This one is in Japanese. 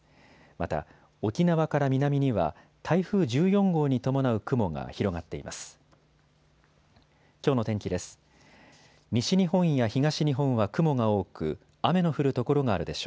また沖縄から南には台風１４号に伴う雲が広がっています。